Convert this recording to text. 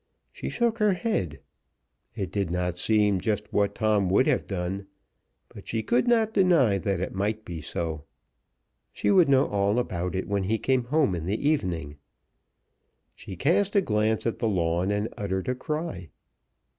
She shook her head. It did not seem just what Tom would have done, but she could not deny that it might be so. She would know all about it when he came home in the evening. She cast a glance at the lawn, and uttered a cry.